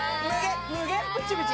無限プチプチ。